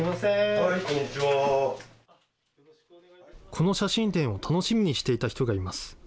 この写真展を楽しみにしていた人がいます。